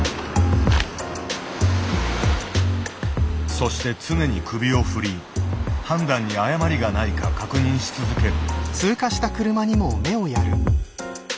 そして常に首を振り判断に誤りがないか確認し続ける。